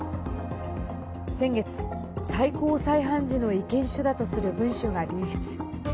先月、最高裁判事の意見書だとする文書が流出。